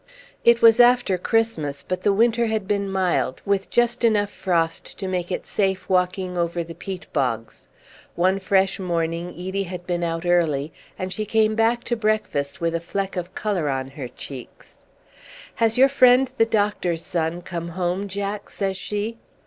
It was after Christmas, but the winter had been mild, with just frost enough to make it safe walking over the peat bogs. One fresh morning Edie had been out early, and she came back to breakfast with a fleck of colour on her cheeks. "Has your friend the doctor's son come home, Jack?" says she.